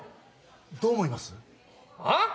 どう思います？はあ？